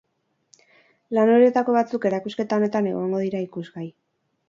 Lan horietako batzuk erakusketa honetan egongo dira ikusgai.